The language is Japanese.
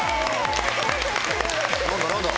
何だ何だ？